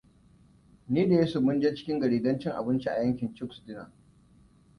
Ni da Yusuf mun je cikin gari don cin abinci a yankin Chuck's Diner.